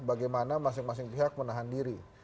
bagaimana masing masing pihak menahan diri